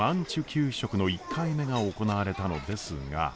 給食の１回目が行われたのですが。